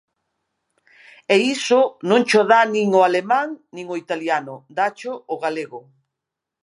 E iso non cho dá nin o alemán, nin o italiano, dácho o galego.